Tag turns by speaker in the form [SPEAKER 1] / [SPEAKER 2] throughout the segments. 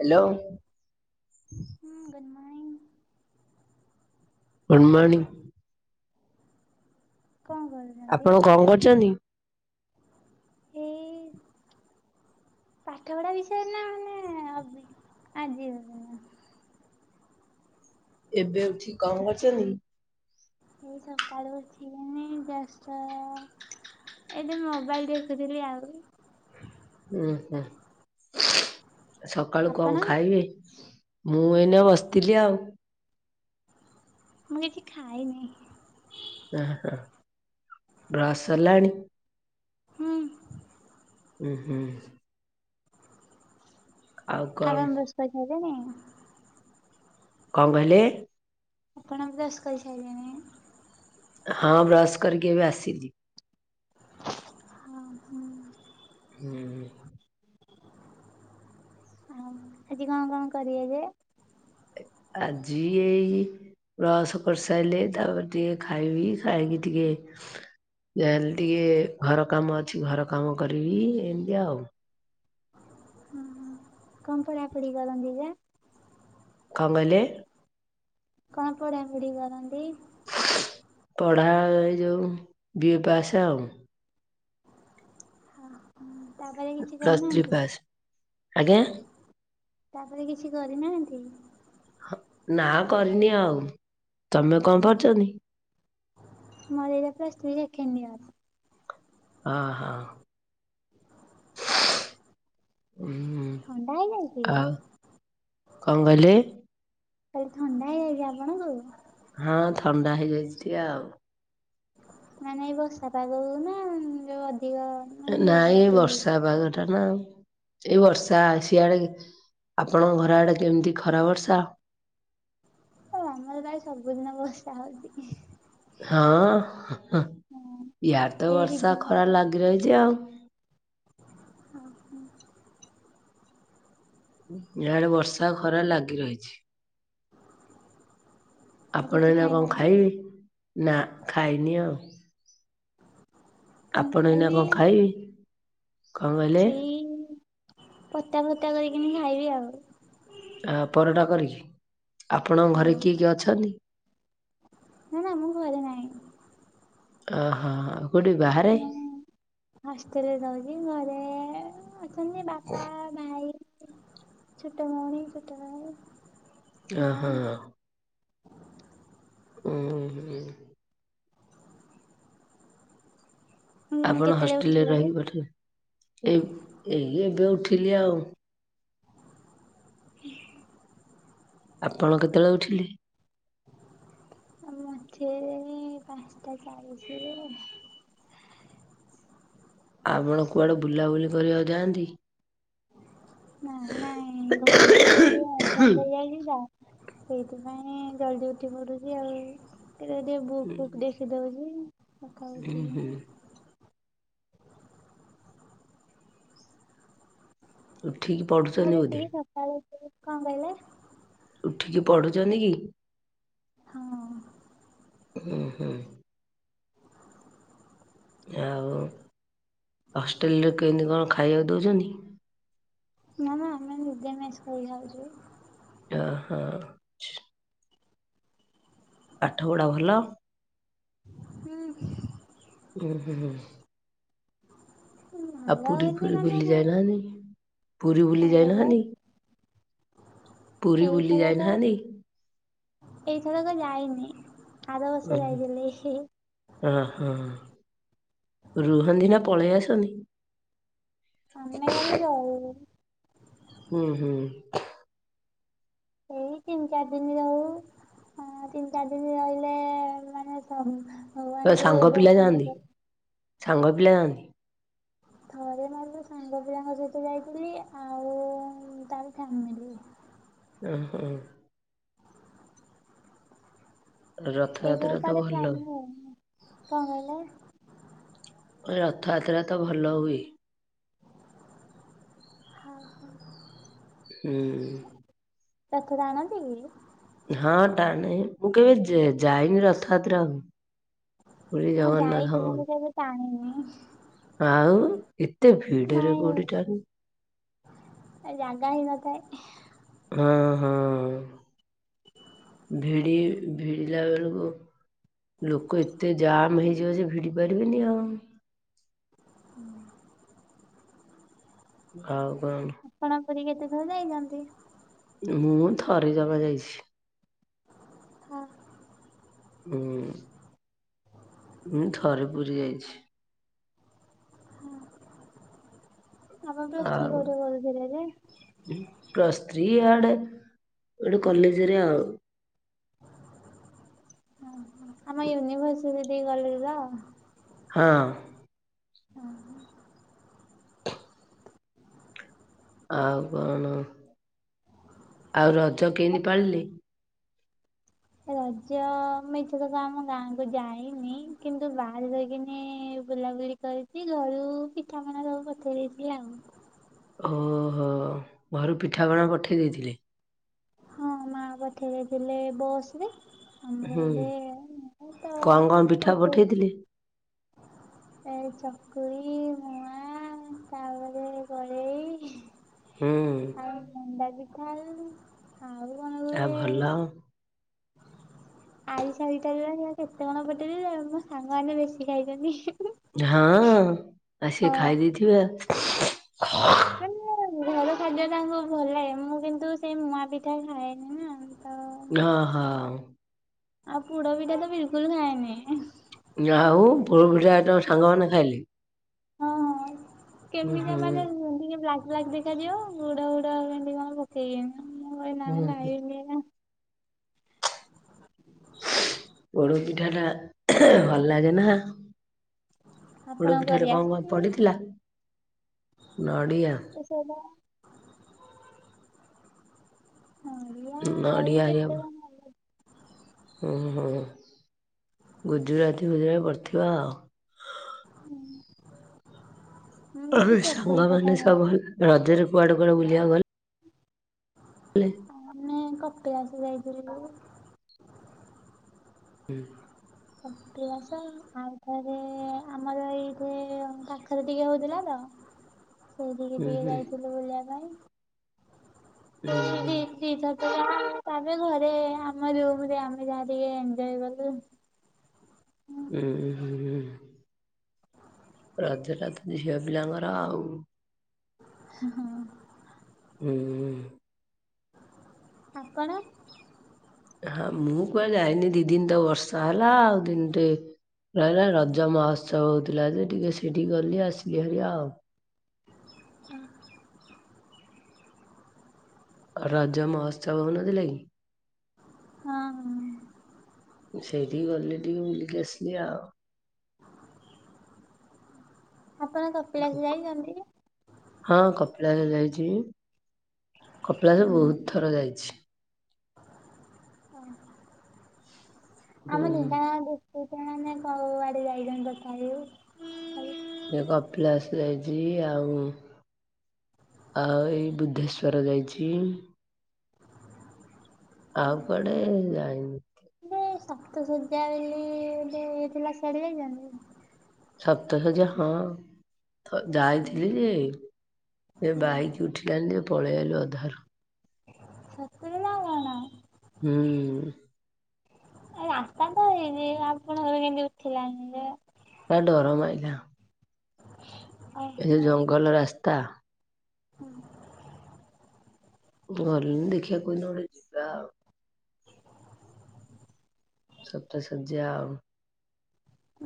[SPEAKER 1] Hello.
[SPEAKER 2] ହଁ good morning.
[SPEAKER 1] Good morning.
[SPEAKER 2] କଣ କହ
[SPEAKER 1] ଆପଣ କଣ କରୁଚନ୍ତି?
[SPEAKER 2] ଏଇ ପାଠ ପଢା ବିଷୟରେ ନା ମାନେ ଆଜି
[SPEAKER 1] ଏବେ ଉଠିକି କଣ କରୁଚନ୍ତି?
[SPEAKER 2] ଏହି ସକାଳୁ ଉଠିକିଣି ବ୍ୟସ୍ତ ଏଠି ମୋବାଇଲ ଦେଖୁଥିଲି ଆଉ।
[SPEAKER 1] ଉୁଁ ହୁଁ ସକାଳୁ
[SPEAKER 2] ଆପଣ?
[SPEAKER 1] କଣ ଖାଇବେ? ମୁଁ ଏଇନା ବସିଥିଲି ଆଉ।
[SPEAKER 2] ମୁଁ କିଛିି ଖାାଇନି।
[SPEAKER 1] ଅଁ ହଁ। ବ୍ରସ ସରିଲାଣି?
[SPEAKER 2] ହୁଁ
[SPEAKER 1] ଉଁ ହୁଁ। ଆଉ କଣ
[SPEAKER 2] ଆରମ ବ୍ରସ କରିସାଇଲେଣି?
[SPEAKER 1] କଣ କହିଲେ?
[SPEAKER 2] ଆପଣ ବ୍ରସ କରିସାରିଲେଣି?
[SPEAKER 1] ହଁ ବ୍ରସ କରିକି ଏବେ ଆସିଲି।
[SPEAKER 2] [unintelligible]
[SPEAKER 1] ହୁଁ।
[SPEAKER 2] ଆଉ ଆଜି କଣ କଣ କରିବେ ଯେ?
[SPEAKER 1] ଆଜି ଏଇ ବ୍ରସ କରିସାରଲେ ତାପରେ ଟିକେ ଖାଇବି ଖାଇକି ଟିକେ ଯାହେଲେ ଟିକେ ଘର କାମ ଅଛି ଘର କାମ କରିକ ଏମିତି ଆଉ।
[SPEAKER 2] ହୁଁ ହୁଁ। କଣ ପଢାପୁଢ଼ି କରନ୍ତି ଯେ?
[SPEAKER 1] କଣ କହିଲେ?
[SPEAKER 2] କଣ ପଢାପଢି କରନ୍ତି?
[SPEAKER 1] ପଢା ଏଇ ଯୋଉ ବିଏ ପାସେ ଆଉ।
[SPEAKER 2] ହଁ ହୁଁ। ତାପରେ କିଛି
[SPEAKER 1] ପ୍ଲସ୍ ଥ୍ରୀ
[SPEAKER 2] କରିନାହାନ୍ତି?
[SPEAKER 1] ପାସ୍ ଆଜ୍ଞା
[SPEAKER 2] ତାପରେ କିଛି କରିନାହାନ୍ତି?
[SPEAKER 1] ହ ନାଁ କରିନି ଆଉ ତମେ କଣ ପଢ଼ଛନ୍ତି?
[SPEAKER 2] ମର ଏଇନା ପ୍ଲସଥ୍ରୀ ସେକେଣ୍ଡିଅର।
[SPEAKER 1] ଅହ ଉଁ
[SPEAKER 2] ଥଣ୍ଡା ହେଇଯାଇଛି
[SPEAKER 1] ଆଉ କଣ କହିଲେ?
[SPEAKER 2] କହିଲି ଥଣ୍ଡା ହେଇଯାଇଛି ଆପଣଙ୍କୁ?
[SPEAKER 1] ହଁ ଥଣ୍ଡା ହେଇଯାଇଚି ଟିକେ ଆଉ।
[SPEAKER 2] ନାଇଁ ନାଇଁ ବର୍ଷା ପାଗକୁନା ଯୋଉ ଅଧିକ। ମାନେ ଦେହ
[SPEAKER 1] ନାଇଁ
[SPEAKER 2] ଖରାପ
[SPEAKER 1] ଏ
[SPEAKER 2] ଟିକେ ହେଇଯାଏ।
[SPEAKER 1] ବର୍ଷା ପାଗଟାନା ଆଉ ଏଇ ବର୍ଷା ସିଆଡେକି। ଆପଣଙ୍କ ଘରଆଡେ କେମତି ଖରା ବର୍ଷା?
[SPEAKER 2] ଆମର ଯାଇ ସବୁଦିନ ବର୍ଷା ହଉଚି କି।
[SPEAKER 1] ହଁ ହଁ ଅଁ
[SPEAKER 2] ହଁ
[SPEAKER 1] ଇଆଡେ ତ
[SPEAKER 2] ଏଇ ଦି
[SPEAKER 1] ବର୍ଷା
[SPEAKER 2] ଦିନ
[SPEAKER 1] ଖରା ଲାଗି ରହିଛି ଆଉ।
[SPEAKER 2] ଆଉ କଣ?
[SPEAKER 1] ଇଆଡେ ବର୍ଷା ଖରା ଲାଗି ରହିଛି।
[SPEAKER 2] ଆଉ
[SPEAKER 1] ଆପଣ
[SPEAKER 2] କିଛି
[SPEAKER 1] ଏଇନା କଣ
[SPEAKER 2] ଖାଇନାହାନ୍ତି?
[SPEAKER 1] ଖାଇବେ ନା ଖାଇନି ଆଉ।
[SPEAKER 2] କଣ
[SPEAKER 1] ଆପଣ ଏଇନା
[SPEAKER 2] ଖାଇବିି
[SPEAKER 1] କଣ ଖାଇବେ? କଣ କହିଲେ
[SPEAKER 2] ସେଇ। ପରଟା ଫରଟା କରିକିନି ଖାଇବି ଆଉ।
[SPEAKER 1] ଆ ପରଟା କରିକି ଆପଣଙ୍କ ଘରେ
[SPEAKER 2] ହଁ
[SPEAKER 1] କିଏ କିଏ ଅଛନ୍ତି?
[SPEAKER 2] ମୁଁ ମାମୁଁ ଘରେ ନାଇଁ।
[SPEAKER 1] ଓହୋ କୋଉଠି ବାହାରେ?
[SPEAKER 2] ମୁଁ ହଷ୍ଟେଲରେ ରହୁଛି ଘରେ ଅଛନ୍ତି ବାପା। ଭାଇ ଛୋଟ ଭାଇ ଛୋଟ ଭଉଣୀ।
[SPEAKER 1] ଓହୋ। ଉଁହୁଁ।
[SPEAKER 2] ହୁଁ
[SPEAKER 1] ଆପଣ
[SPEAKER 2] କେତେବେଳେ
[SPEAKER 1] ହଷ୍ଟେଲରେ
[SPEAKER 2] ଉଠିଲ ଯେ?
[SPEAKER 1] ରହିିକି ପାଠ ଏବ୍ ଏଇ ଏବେ ଉଠିଲି ଆଉ।
[SPEAKER 2] [unintelligible]
[SPEAKER 1] ଆପଣ କେତେବେଳେ ଉଠିଲେ?
[SPEAKER 2] ମୁଁ ଉଠିଲିଣୀ ପାନ୍ସଟା ଚାଳିଶିରେ।
[SPEAKER 1] ଆପଣ କୁଆଡେ ବୁଲାବୁଲି କରିବାକୁ ଯାଆନ୍ତି?
[SPEAKER 2] ନାଇଁ ନାଇଁ ଘରେ ଯେହେତୁ ଟିକେ [unintelligible] ଗାଁ। ସେଇଥିପାଇଁ ଜଲଦି ଉଠିପଡୁଚି ଆଉ ଟିକେ ଯୋଉ ବୁକ୍ ଫୁକ ଦେଖ୍
[SPEAKER 1] ଉଁ
[SPEAKER 2] ଖିଦଉଚି ସଖାଳୁ
[SPEAKER 1] ହୁଁ
[SPEAKER 2] ଉଠିକିନା।
[SPEAKER 1] ଉଠିକି।
[SPEAKER 2] ମୋର
[SPEAKER 1] ପଢୁଛନ୍ତି ବୋଧେ?
[SPEAKER 2] ଯେତିକି ସକାଳେ ଉଠିକି କଣ କହିଲେ?
[SPEAKER 1] ଉଠିକି ପଢୁଛନ୍ତି କି?
[SPEAKER 2] ହଁ।
[SPEAKER 1] ହୁଁ ହୁଁ। ଆଉ ହଷ୍ଟେଲରେ କେନ୍ତି କଣ ଖାଇବାକୁ ଦଉଚନ୍ତି?
[SPEAKER 2] ନା ନା ଆମେ ନିଜେ ମେସ କରି ଯାଉଛୁ।
[SPEAKER 1] ଇଆ ହ ପାଠପଢ଼ା ଭଲ?
[SPEAKER 2] ହୁଁ
[SPEAKER 1] ଉଁ ହୁଁ ହୁଁ
[SPEAKER 2] ଭଲ
[SPEAKER 1] ଆ ପୁରୀ
[SPEAKER 2] ବୋଲି
[SPEAKER 1] ଫୁରୀ
[SPEAKER 2] ମାନେ
[SPEAKER 1] ବୁଲି ଯାଇନାହାନ୍ତିିି, ପୁରୀ
[SPEAKER 2] କଣ
[SPEAKER 1] ବୁଲି
[SPEAKER 2] କହିଲେ
[SPEAKER 1] ଯାଇନାହାନ୍ତିି? ପୁରୀ ବୁଲି
[SPEAKER 2] ଏଇଥରକ
[SPEAKER 1] ଯାଇନାହାନ୍ତି?
[SPEAKER 2] ଏଇଥରକ ଯାଇନି ଆର ବର୍ଷ ଯାଇଥିଲି ହି।
[SPEAKER 1] ଅହ ରୁହନ୍ତି ନା ପଳେଇ ଆସନ୍ତି?
[SPEAKER 2] ଆମେ ଗଲେ ରହୁ।
[SPEAKER 1] ଉଁ ହୁଁ
[SPEAKER 2] ଏଇ ତିନି ଚାରି ଦିନ ରହୁ। ହଁ ତିନି ଚାରି ଦିନ ରହିଲେ ମାନେ ସମ୍ବହ
[SPEAKER 1] ତୋ ସାଙ୍ଗ ପିଲା ଯାଆନ୍ତି, ସାଙ୍ଗ ପିଲା ଯାଆନ୍ତି?
[SPEAKER 2] ଥରେ ମଲେ ସାଙ୍ଗ ପିଲାଙ୍କ ସହିତ ଯାଇଥିଲି ଆଉ ତାରି ଫ୍ୟାମିଲି।
[SPEAKER 1] ଓହୋ ରଥଯାତ୍ରା
[SPEAKER 2] ଏଇଥରକ
[SPEAKER 1] ତ
[SPEAKER 2] କୁଆଡେ
[SPEAKER 1] ଭଲ
[SPEAKER 2] ପ୍ଲାନିଙ୍ଗ ହେଇନି। କଣ କହିଲ?
[SPEAKER 1] ଓଏ ରଥଯାତ୍ରା ତ ଭଲ ହୁଏ।
[SPEAKER 2] ହଁ ହଁ
[SPEAKER 1] ହୁଁ
[SPEAKER 2] ରଥ ଟାଣନ୍ତି ଇ?
[SPEAKER 1] ହଁ ଟାଣେ ମୁଁ କେବେ ଯେ ଯାଇନି ରଥଯାତ୍ରାକୁ। ପୁରୀ
[SPEAKER 2] ମୁଁ ଯାଇଛି କିନ୍ତୁ
[SPEAKER 1] ଜଗନ୍ନାଥଙ୍କ
[SPEAKER 2] କେବେ ଟାଣିନି।
[SPEAKER 1] ଆଉ ଏତେ ଭିଡରେ କୋଉଠି ଟାଣିବି।
[SPEAKER 2] ଏଇ ଜାଗା ହେଇ ନଥାଏ।
[SPEAKER 1] ହଁ ହଁ ଭିଡି ଭିଡିଲା ବେଳକୁ ଲୋକ ଏତେ ଜାମ୍ ହେଇଯିବ ଯେ ଭିଡି ପାରିବେନି ଆଉ। ଆଉ କଣ?
[SPEAKER 2] ଆପଣ ପୁରୀ କେତେ ଥର ଯାଇଛନ୍ତି?
[SPEAKER 1] ମୁଁ ଥରେ ଜମା ଯାଇଛି।
[SPEAKER 2] ହଁ
[SPEAKER 1] ହୁଁ ମୁଁ ଥରେ ପୁରୀ ଯାଇଛି।
[SPEAKER 2] ଆପଣ ପ୍ଲସ ଥ୍ରୀ କୋଉଠେ କରୁଥିଲେ ଯେ?
[SPEAKER 1] ହୁ ପ୍ଲସ ଥ୍ରି ଇଆଡେ ଗୋଟେ କଲେଜରେ ଆଉ
[SPEAKER 2] ଆମ ୟୁନଭର୍ସ ଦେଇ [unintelligible]
[SPEAKER 1] ହଁ। ଆଉ କଣ ଆଉ ରଜ କେମିତି ପାଳିଲେ?
[SPEAKER 2] ରଜ ମିଛକଥା ଆମ ଗାଁକୁ ଯାଇନି କିନ୍ତୁ ବାହାର ଯାଇକିନି ବୁଲାବୁଲି କରିଚି ଘଲୁ ପିଠାପଣା ସବୁ ପଠେଇ ଦେଇଥିଲା ଆଉ।
[SPEAKER 1] ଓହୋ ଘରୁ ପିଠାପଣା ପଠେଇ ଦେଇଥିଲେ।
[SPEAKER 2] ହଁ ମା ବଠେଇ‌ ଦେଇଥିଲେ ବସରେ।
[SPEAKER 1] ହୁଁ କଁ କଁ ପିଠା ପଠେଇଥିଲି?
[SPEAKER 2] ଏଇ ଚକୁଳି ମୁଆଁ ଆଁ ତାପରେ କରେଇ
[SPEAKER 1] ହୁଁ‌।
[SPEAKER 2] ଉଁ ଡାଲି ଖାଇଲି। ଆଉ କଣ?
[SPEAKER 1] ଆଉ ଭଲ ଆଉ।
[SPEAKER 2] ଆରିସା ପିଠା ଯୋରା‌ ସେରା କେତେ କଣ ପଠେଇ ମୋ ସାଙ୍ଗମାନେ ବେଶୀ ଖାଇଚନ୍ତି ହୁଁ ହୁଁ।
[SPEAKER 1] ହଁ ଆଉ ସିଏ ଖାଇ ଦେଇେଥିବେ।
[SPEAKER 2] ଏ ମୁଁ ଘର ଖାଦ୍ୟ ତାଙ୍କୁ ଭଲ ଲାଗେ ମୁଁ କିନ୍ତୁ ସେଇ ମୁଆଁ ପିଠା ଖାଏନି ନା। ହଁ ଆଉ ପୋଡ ପିଠା ତ ବିଲକୁଲ ଖାଏନି।
[SPEAKER 1] ଯାହା ହଉ ପୋଡ ପିଠା ତୋ ସାଙ୍ଗମାନେ ଖାଇଲି।
[SPEAKER 2] ହଁ ହଁ କେମିତିଆ
[SPEAKER 1] ହୁଁ।
[SPEAKER 2] ମାନେ ଟିକେ ବ୍ଲାକ୍ ବ୍ଲାକ୍ ଦେଖାଯିବ ବୁଢା ବୁଢା ଭେଣ୍ଡି କଣ ପ ସେଇ ମୁଁ ମୁଁ କହିଲି ନା ମୁଁ
[SPEAKER 1] ହୁଁ
[SPEAKER 2] ଖାଇବିନି ନା।
[SPEAKER 1] ପୋଡ ପିଠାଟା ଭଲ ଲାଗେ ନା। ପୋଡ
[SPEAKER 2] ଆପଣଙ୍କୁ
[SPEAKER 1] ପିଠାରେ
[SPEAKER 2] କରି
[SPEAKER 1] କଣ କଣ
[SPEAKER 2] ଆସିଛି
[SPEAKER 1] ପଡିଥିଲା ନଡିଆ
[SPEAKER 2] [unintelligible]
[SPEAKER 1] ଉଁ
[SPEAKER 2] ଆହୁରି
[SPEAKER 1] ନଡ଼ିଆ ହେରିକା
[SPEAKER 2] କେତେ
[SPEAKER 1] ଉଁ
[SPEAKER 2] କଣ
[SPEAKER 1] ଉଁ ହୁଁ ଗୁଜୁରାତି ଫୁଜୁରା ପଡିଥିବ ଆଉ।
[SPEAKER 2] ହୁଁ।
[SPEAKER 1] ହଁ ସାଙ୍ଗମାନେ ସବୁ ରଜରେ କୁଆଡେ କୁଆଡେ ବୁଲିଆକୁ ଗଲ୍ ଲେ।
[SPEAKER 2] ନାଇଁ କପିଳାସ ଯାଇଥିଲି ଯୋଉ
[SPEAKER 1] ହୁଁ।
[SPEAKER 2] କପିିଳାସ ଆଉଥରେ ଆମର ଏଇଠି ପାଖରେ ଟିକେ ହଉଥିଲା ତ। ସେଇଟିକି ଟିକେ
[SPEAKER 1] ହୁଁ
[SPEAKER 2] ଯାଇଥିଲୁ ବୁଲିବା ପାଇଁ।
[SPEAKER 1] ହୁଁ
[SPEAKER 2] ଉଁ
[SPEAKER 1] ହୁଁ ହୁଁ
[SPEAKER 2] ଦି ଦିଥର। ଆ-ଆମେ ଘରେ ଆମ ରୁମରେ ଆମେ ଯାହା ଟିକେ ଏଞ୍ଜୟ କଲୁ। ହୁଁ।
[SPEAKER 1] ଉୁଁ ହୁଁ ହୁଁ। ରଜ ଟା ତ ଝିଅ ପିଲାଙ୍କର ଆଉ।
[SPEAKER 2] ହୁଁ ହୁଁ।
[SPEAKER 1] ଉଁ ଉଁ ଉଁ।
[SPEAKER 2] ଆପଣ?
[SPEAKER 1] ହଁ ମୁଁ କୁଆଡେ ଯାଇନି ଦି ଦିନ୍ ତ ବର୍ଷା ହେଲା ଆଉ ଦିନଟେ ଲା ଲା ରଜ ମହୋତ୍ସବ ହଉଥିଲା ଯେ ଟିକେ ସେଇଠିକି ଗଲି ଆସିଲି ଭାରି ଆଉ।
[SPEAKER 2] ହୁଁ।
[SPEAKER 1] ରାଜ ମହୋତ୍ସବ ହଉନଥିଲା କି?
[SPEAKER 2] ହଁ ହଁ।
[SPEAKER 1] ସେଇଟିକି ଗଲି ଟିକେ ବୁଲିକି ଆସିଲି ଆଉ।
[SPEAKER 2] ଆପଣ
[SPEAKER 1] ଆଉ
[SPEAKER 2] କପିଳାସ
[SPEAKER 1] କ-
[SPEAKER 2] ଯାଇଚନ୍ତି?
[SPEAKER 1] ହଁ କପିଳାସ ଯାଇଚି କପିଳାସ ବହୁତ ଥର ଯାଇଛି।
[SPEAKER 2] ଅ।
[SPEAKER 1] ହୁଁ
[SPEAKER 2] ଆମେ ନିବା ଉ ଉ [unintelligible] ଆମେ କୋଉଆଡେ ଯାଇଚନ୍ତି ଦଶଟା ବେଳୁ।
[SPEAKER 1] ଏ କପିଳାସ ଯାଇଚି ଆଉ ଆଉ ଏଇ ବୁଦ୍ଧେଶ୍ୱର ଯାଇଛି। ଆଉ କୁଆଡେ ଯାଇନି।
[SPEAKER 2] ଗୋଟେ ସପ୍ତଶଯ୍ୟା ବେଲି ଗୋଟେ ଥିଲା ସିଆଡେ ଯାଇଚନ୍ତି?
[SPEAKER 1] ସପ୍ତହ ଯ ହଁ ଯାଇଥିଲି ଯେ ଯେ ବାଇକ ଉଠିଲାନି ଯେ ପଳେଇ ଆଇଲୁ ଅଧାରୁ।
[SPEAKER 2] [unintelligible]
[SPEAKER 1] ହୁଁ।
[SPEAKER 2] ମାତା ତ ହେଇନି ଆପଣଙ୍କର କେମିତି ଉଠିଲାଣି ଯେ
[SPEAKER 1] ତା ଡର ମାଇଲା।
[SPEAKER 2] [inaudible]
[SPEAKER 1] ଏ ଯ ଜଙ୍ଗଲ ରାସ୍ତା
[SPEAKER 2] ହଁ।
[SPEAKER 1] ଗଲେ ଦେଖିଆ କୋଦିନ ଗୋଟେ ଯିବା ଆଉ। ସତସର୍ଯ୍ୟା ଆଉ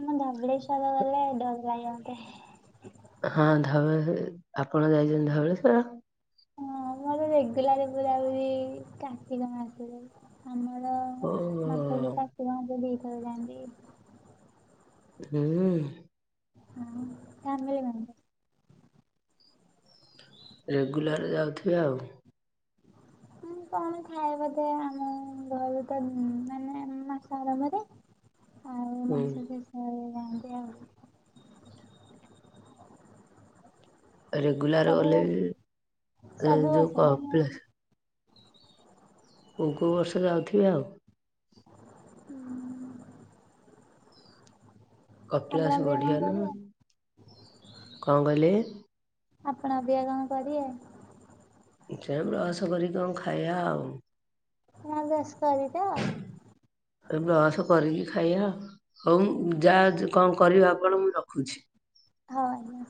[SPEAKER 2] ଆମ ଧବଳେଶ୍ଵର ଗଲେ ଡର ଲାଗନ୍ତେ।
[SPEAKER 1] ହଁ ଧବଳେଶ ଆପଣ ଯାଇଚନ୍ତି ଧବଳେଶ୍ଵର
[SPEAKER 2] ହଁ ମୋର ରେଗୁଲାର ବୁଲାବୁଲି କାର୍ତ୍ତିକ ମାସରେ। ଆମର
[SPEAKER 1] ଓ
[SPEAKER 2] ମାସଜ ଚାଷୀ ମାନେ ଦି ଥର ଯାଆନ୍ତି।
[SPEAKER 1] ହୁଁ।
[SPEAKER 2] ହଁ ଫାମିଲି ମେମ୍ବର।
[SPEAKER 1] ରେଗୁଲାର ଯାଉଥିବେ ଆଉ।
[SPEAKER 2] କଣ ଖାଏ ବୋଧେ ଆମ ଘରେ ତ ମାନେ ମାସ ଆରମ୍ଭରେ ଆଉ
[SPEAKER 1] ହୁଁ
[SPEAKER 2] ମାସନ୍ତି ଆଉ ଯାଆନ୍ତି ଆଉ।
[SPEAKER 1] ରେଗୁଲାର୍
[SPEAKER 2] ସବୁ
[SPEAKER 1] ଗଲେ ବି ଏ
[SPEAKER 2] ସବୁ
[SPEAKER 1] ଯୋଉ
[SPEAKER 2] ବର୍ଷ ମାନେ
[SPEAKER 1] କପିଳାସ କୋଉ କୋଉ ବର୍ଷ ଯାଉଥିବେ ଆଉ।
[SPEAKER 2] ହୁଁ। ଆପଣ
[SPEAKER 1] କପିଳାସ
[SPEAKER 2] ଅବିକା କଣ
[SPEAKER 1] ବଢିଆନା
[SPEAKER 2] କରିବେ
[SPEAKER 1] କଣ କହିଲେ?
[SPEAKER 2] ଆପଣ ଆଜି ବି କଣ କରିବେ?
[SPEAKER 1] ଦେଖିଆ ବ୍ରସ କରିକି କଣ ଖାଇଆ ଆଉ।
[SPEAKER 2] ନା ବ୍ରସ୍ କରିଚ
[SPEAKER 1] ଏ ବ୍ରସ କରିକି ଖାଇବା ହଉ ଯାହା କଣ କରିବା ଆପଣ ମୁଁ ରଖୁଛି।
[SPEAKER 2] ହଁ ଆଜ୍ଞା।